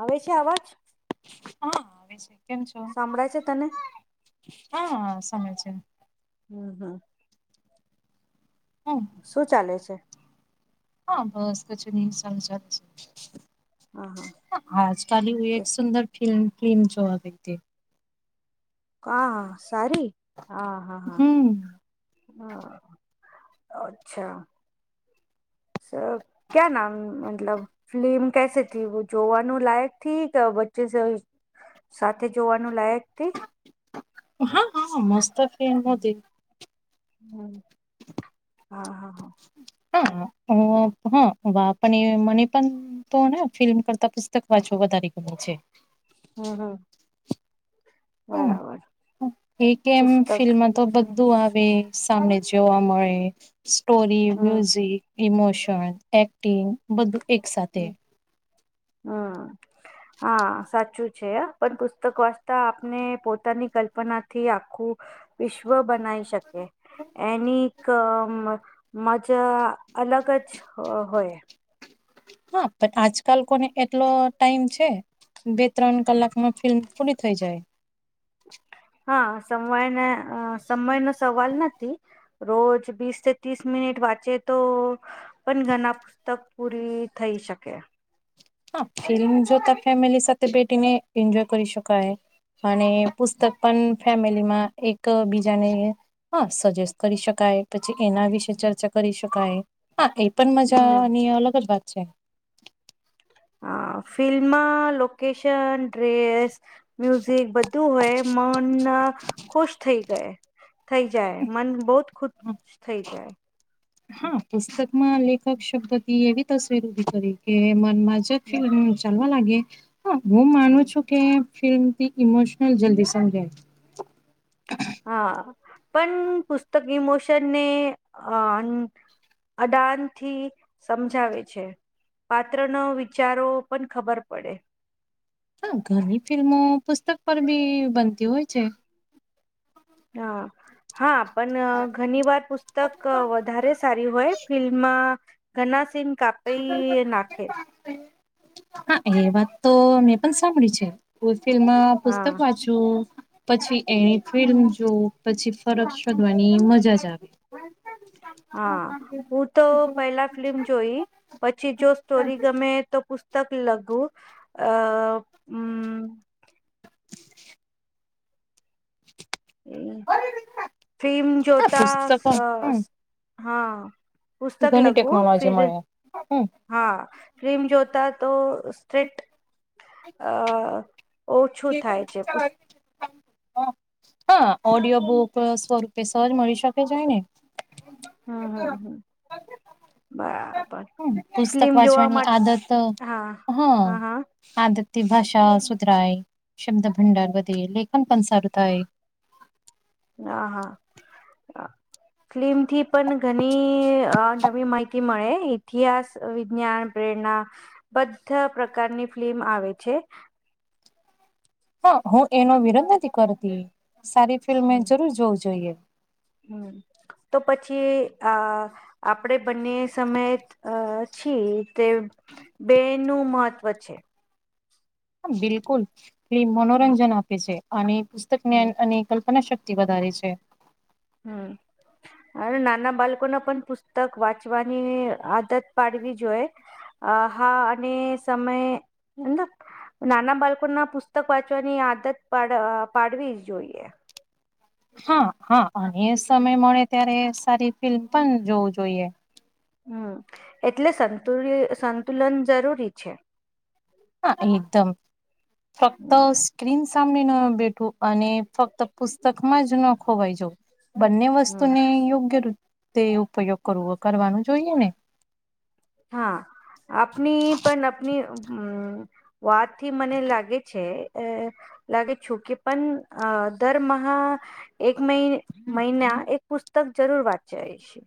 આવે છે આવાજ? હહ આવે છે. કેમ છો? સાંભળાય છે તને? હા હા સમે છે. હમ હમ હહ શું ચાલે છે? હહ બસ કછું નહી સાલું ચાલે છે. હહ હ આજકાલ ઉ એક સુંદર ફિલ્મ ફ્લિમ જોવા ગઈતી. કા સારી? હા હા હા હમ હહ અચ્છા સર ક્યા નામ મતલબ? ફ્લિમ કેસે થી જોવાનું લાયકથી કે વચ્ચે સે સાથે જોવાનું લાયક થી? હા હા મસ્ત ફિલ્મ નોતી. હમ હા હા હહ હા અ હહ વા પન એ મને પન તોને ફિલ્મ કરતાં પુસ્તક વાંચવા વધારે ગમે છે. હહ હહ હહ એક એમ પુસ્તક ફિલ્મમાં તો હમ બધું આવે. સામને જોવા મળે, સ્ટોરી, હમ મ્યુઝિક, ઇમોશન એક્ટિંગ બધું એક સાથે હહ હા સાચું છે હા પણ પુસ્તક વાચતા આપને પોતાની કલ્પનાથી આખું વિશ્વ બનાવી શકે એની ક મ મજા અલગ જ હોય. હહ પણ આજકાલ કોને એટલો ટાઈમ છે? બે ત્રણ કલાકમાં ફિલ્મ પૂરી થઈ જાય. હા સમયને અ સમયનો સવાલ નથી. રોજ બીસથી તીસ મિનિટ વાંચે તો પન ઘના પુસ્તક પૂરી થઈ શકે. હહ ફિલ્મ જોતા ફેમિલી સાથે બેઠીને ઈન્જોય કરી શકાય. અને પુસ્તક પન ફેમિલીમાં એક બીજાને હા સજેસ્ટ કરી શકાય, પછી એના વિશે ચર્ચા કરી શકાય. હા એ પન હમ મજાની અલગ જ વાત છે. હા ફિલ્મમાં લોકેશન, ડ્રેસ મ્યુઝિક બધું હોય મન ખુશ થઈ જાય. થઈ જાય મન બહુત ખુશ થઈ જાય. હા પુસ્તકમાં લેખક શબ્દથી એવી તસવીર ઉભી કરી કે મનમાં જ [inaudible] ચાલવા લાગે હા હું માનું છું. કે ફિલ્મથી ઈમોશનલ જલ્દી સમજાય. હા પન પુસ્તક ઇમોશનને અ અડાનથી સમજાવે છે. પાત્ર ન વિચારો પન ખબર પડે. હા ઘણી ફિલ્મો પુસ્તક પર બી બનતી હોય છે. હા હા પન ઘની વાર પુસ્તક વધારે સારી હોય ફિલ્મમાં ઘના સિન કાપ [inaudible] હા એ વાત તો મેં પણ સાંભળી છે કોઈ ફિલ્મ હા પુસ્તક વાંચું પછી એની ફિલ્મ જોવ પછી ફરજ શોધવાની મજા જ આવે હા હું તો પેલા ફિલ્મ જોઈ પછી જો સ્ટોરી ગમે તો પુસ્તક લખું અ [unintelligible] એ ફીમ હા જોતા પુસ્તકો હમ હા [unintelligible] પુસ્તક ઘણી લગું ટેકનોલોજી ફિર મળે હમ હા ફિલ્મ જોતા તો સ્ટ્રેટ [inaudible] અ ઓછું થાય છે પુસ [unintelligible] [inaudible] હા ઓડિયો બુક સ્વરૂપે સહજ મળી શકે છે ને હમ હમ હમ [inaudible] [unintelligible] બરાબર હમ પુસ્તક ફિલ્મ જોવા વાંચવાની માટે હા હા હા આદતી ભાષા સુધરાાય શબ્દ ભંડાર વધે લેખન પણ સારું થાય હા હા ફિલ્મ થી પણ ઘણી નવી માહિતી મળે ઇતિહાસ વિજ્ઞાન પ્રેરણા બધા પ્રકારની ફિલ્મ આવે છે હા હું એનો વિરોધ નથી કરતી સારી ફિલ્મ જરૂર જોવું જોઈએ [unintelligible] તો પછી આ આપણેે બંને સમયે અ છી તે બે નું મહત્વ છે બિલકુલ એ મનોરંજન આપે છે અને પુસ્તક જ્ઞાન હમ અને કલ્પના શક્તિ વધારે છે હમ [inaudible] હ નાના બાળકોને પણ પુસ્તક વાંચવાની આદત પાડવી જોઈએ અ હા અને સમય એંદ નાના બાળકો ના પુસ્તક વાંચવાની આદત પાડવી જ જોઈએ હા હા અને એ સમય મળે ત્યારે સારી ફિલ્મ પણ જોવું જોઈએ હમ એટલે સંતુલ સંતુલન જરૂરી છે હા એકદમ ફક્ત હમ સ્ક્રીન સામે ન બેઠું અને ફક્ત પુસ્તકમાં જ ન ખોવાઈ જવુ બંને હમ વસ્તુને યોગ્ય [unintelligible] તે ઉપયોગ કરવો કરવાનું જોઈએ ને હા આપણી પણ આપણી હમ વાત થી મને લાગે છે અ લાગે છું કે પણ અ દર મહા એક મહિ મહિના એક પુસ્તક જરૂર વાંચે છે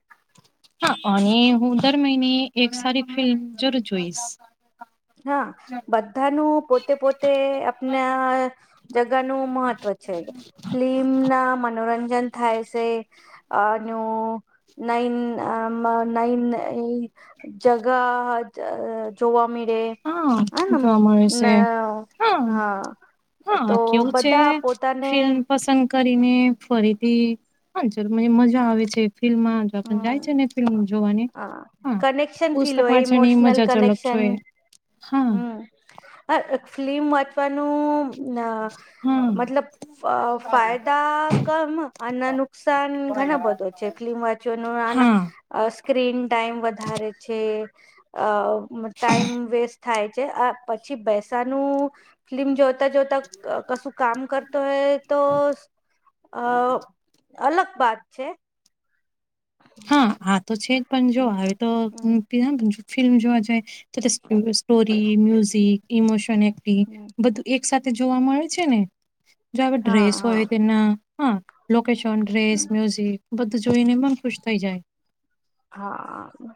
હા અને હું દર મહિને એક સારી ફિલ્મ જરૂર જોઈશ હા બધાનું પોતે પોતે આપને જગાનું મહત્વ છે ફિલ્મ ના મનોરંજન થાય છે અ ન નૈન અ નન એ [inaudible] જગા જોવા મળે હા હમ જોવા મળે છે ના હા તો હા કેવું છે બધા પોતાને ફિલ્મ પસંદ કરીને ફરીથી પણ જ મ મજા આવે છે ફિલ્મમાં જાય હમ છે ને ફિલ્મ જોવાની હા કનેક્શન પુસ્તક ફીલ હોય પાછળની ઇમોશનલ મજા અલગ છે કનેક્શન હમ આ ફિલ્મ વાંચવાનું હા મતલબ અ ફાયદા કમ અને નુકસાન ઘણા બધો છે ફલીમ હા સ્ક્રીન ટાઈમ વધારે છે અ ટાઈમ વેસ્ટ થાય છે આ પછી બેસાનું ફિલ્મ જો તા જોતા કશું કામ કરતો હૈ તો અ અલગ બાત છે હા આ તો છે જ પણ જો હમ હ તો હમ ફિલ્મ જોવા જઈ તો તે સ્ટોરી મ્યુઝિક ઇમોશન એક્ટિ હા બધું એક સાથે જોવા મળે છે ને જો હવે ડ્રેસ હોય હા તેના હા લોકેશન ડ્રેસ મ્યુઝિક બધું જોઈને મન ખુશ થઈ જાય હા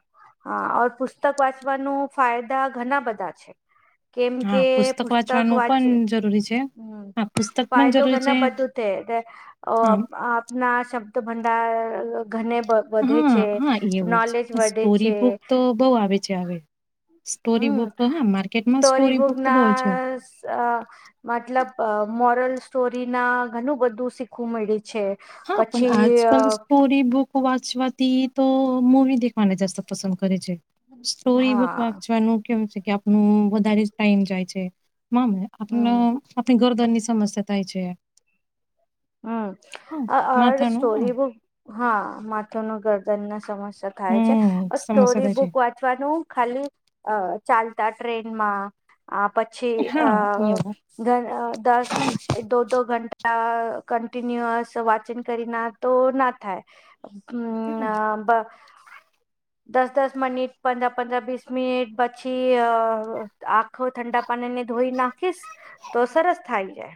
હાર પુસ્તક વાંચવાનું ફાયદા ઘણા બધા છે [unintelligible] કેમ કે પુસ્તક વાંચવાનું વાંચી પણ જરૂરી છે. હમ હા પુસ્તક પણ ફાયદો જરૂરી છે ઘણા બધું થ હા આપના શબ્દ ભંડાર ઘને વધે છે નોલેજ એ વધે સ્ટોરી છે બુક તો બહ આવે છે આવે સ્ટોરી હમ બુક હા માર્કેટમાં સ્ટોરી બુક તો બહુ છે અ મતલબ મોરલ સ્ટોરી ના ઘણું બધું શીખવું મળ્યું છે હા પણ પછી આજ કલ સ્ટોરી બુક વાચવાથી તો મુૂવી દેખવાને જાસ્ત પસંદ કરે છે સોરી બુક હા વાંચવાનું કેમ છે કે આપ વધારે ટાઈમ જાય છેમ આપ હમ આપણી ગરદાની સમસ્યા થાય છે હમ હ માથાનું હ સ્ટોરી બુક હા માથું ન ગરદન ના સમસ્યા થાય છે હમ સમસ્યા સ્ટોરી થાય છે બુક વા અથવાનું ખાલી ચાલતા ટ્રેનમાં આ પછી હા આ દસ દોડ દો ઘંન્ટા કન્ટિન્યુઅસ વાચન કરી ના તો ના થાય હમ આબ [unintelligible] દસ દસ મિનિટ પંદર પંદર વીસ મિનિટ પછી આ આખ ઠંડા પાણીને ધોઈ નાખીશ તો સરસ થાય જાય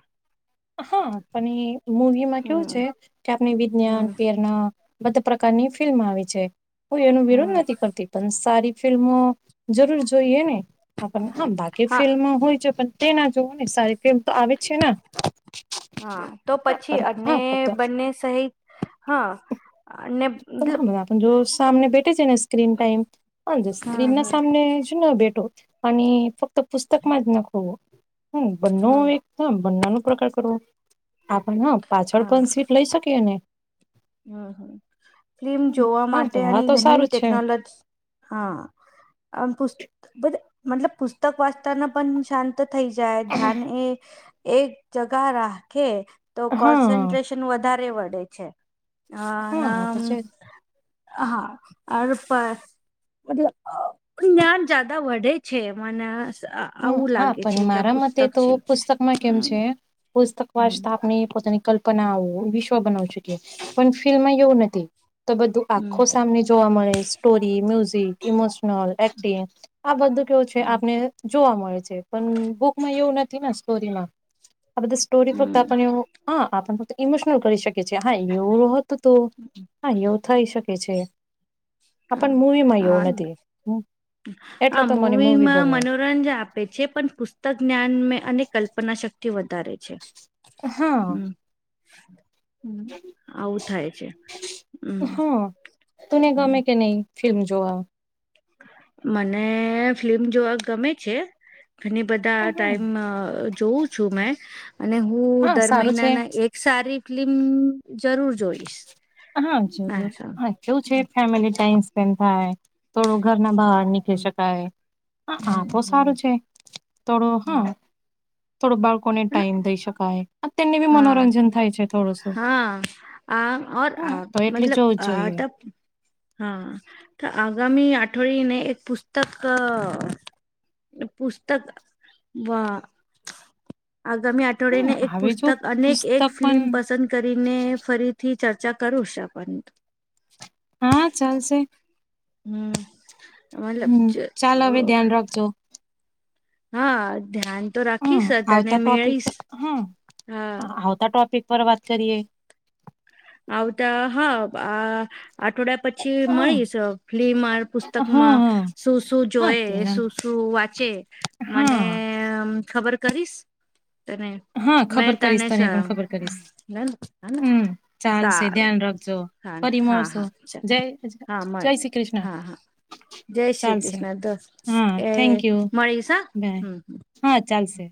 હા પણ મૂવી માં કેવું હમ છે કે આપણે વિજ્ઞાન હમ પ્રેરણા બધા પ્રકારની ફિલ્મ આવી છે કોું એનો વિરોધ હમ નથી કરતી પણ સારી ફિલ્મો જરૂર જોઈએ ને આપ હા બાકી હા ફિલ્મ હોય છે પણ તે ના જોવો ને સારી રતે એમ તો આવે જ છે ને હા તો હા પછી પણ અને હા ફક્ત બંને સહિત હા અને મતલબ હા જો સામને ભેટેે છે ને સ્ક્રીન ટાઈમ પણ હમ સ્ક્રીન ના હમ સામને જ બેઠો અને ફક્ત પુસ્તકમાં જ નખવવું હમ બંનો હમ એક હ બંના ન પ્રકાર કરવો આપણે હ પાછળ હા પણ સીટ લઈ શકીએ ને હમ હમ ફિલ્મ હમ, જોવા હા તો માટે હા આની તો ઘણી સારું જ છે ટેકનોલોજી હા પ મલ પુસ્તક વાચતાના પણ શાંત થ જાય ધ્યાન એ એક જ રાખે તો કો હા વધારે વડે છે હ હા ના તો છે હા અ પ જ્ઞાન જદા વધે છે મને હમ આવું હા લાગે પણ છે કે આ મારા પુસ્તક મતે તો છે પુસ્તકમાં કેમ હમ છે. પુસ્તક હમ વાચતા આપને પોતાની કલ્પના આવ વિશ્વ બનાવ શકી પણ ફિલ્મમાં એવું નથી તો બધું આખો હમ સામને જોવા મળે સ્ટોરી મ્યુઝિક ઇમોશનલ એક્ટિંગ આ બધું કેવું છે હમ આપને માં એવું નથી સ આ બધ સોરી ફત હમ હા આપને ફક્ત ઈમોશનલ કરી શકી છીએ હા એવ હતું તો હા એવ થઈ શકે છે. આ હા પણ મૂવી માં હા એવું નથી એટલે હા તો મને મૂવી મૂવીમાં ગમે મનોરંજન આપે છે પણ પુસ્તક જ્ઞાન અને કલ્પના શક્તિ વધારે છે. હા હમ્મ. હમ્મ આવું થાય છે હમ્મ હા તને હમ્મ. ગમે કે નહી ફિલ્મ જોવા મને ફિલ્મ જોવા ગમે છે. ઘણી બધા હમ, ટાઈમ અ જોઉં છું મેં અને હું હા દર સારું છે મહિનાના એક સારી ફિલ્મ જરૂર જોઈશ. હા જરૂર હા કેવું છે હમ ફેમિલી ટાઈમ સ્પેન્ડ થાય થોડું ઘરના બહાર નીકળી શકાય હા આ હમ તો સારું હમ છે તોડું હ હમ થોડો બાળકોને ટાઈમ દઈ શકાય તેમને બી હા મનોરંજન થાય છે થોડુંસું. હા આ અ આ એટલે મતલબ જોવું જ આ જોઈએ ત હા તો આગામી આઠોડીને એક પુસ્તક અ પુસ્તક વા આગામી હમ અઠવાડિને એક હવે પુસ્તક જો અનેક પુસ્તક એક ફિલ્મ પણ પસંદ કરીને ફરી થી ચર્ચા કરું શા પણ હા ચાલશે. હમ્મ. હમ્મ ચાલ હવે ધ્યાન રાખજો. હા ધ્યાન તો રાખીશ તને મેળીશ. હમ્મ હા આવતા ટોપિક પર વાત કરીએ. આવતા હા આ આટવડિયા પછી હા મળીશ ફિલ્મ પુસ્તક હા માં હા શું શું હા જોય તેના શું શું વાંચે મને હા અમ ખબર કરીશ. તને હા મેં ખબર કરીશ તનેસ તને પણ ખબર કરીશ હેન હેને. હમ ચાલશે સારું ધ્યાન રાખજો હા ફરી હા મળશો હા ચાલ જય હા જય મળે શ્રી કૃષ્ણ હા હા. જય શ્રી ચાલશે કૃષ્ણ હા [unintelligible] એ થેન્ક યુ મળીશ બાય હમ્મ. હા ચાલશે.